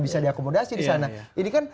bisa diakomodasi disana ini kan